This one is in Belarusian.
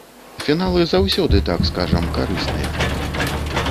Фіналы заўсёды, так скажам, карысныя.